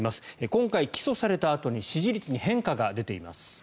今回、起訴されたあとに支持率に変化が出ています。